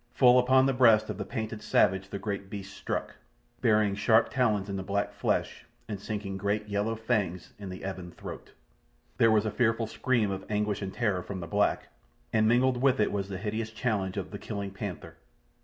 Full upon the breast of the painted savage the great beast struck, burying sharp talons in the black flesh and sinking great yellow fangs in the ebon throat. There was a fearful scream of anguish and terror from the black, and mingled with it was the hideous challenge of the killing panther.